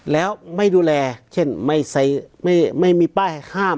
แล้วไม่ดูแลเช่นไม่ใส่ไม่ไม่มีป้ายห้าม